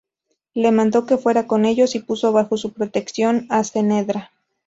Le mandó que fuera con ellos y puso bajo su protección a Ce´Nedra.